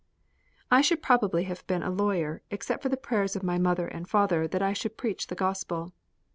I should probably have been a lawyer, except for the prayers of my mother and father that I should preach the Gospel.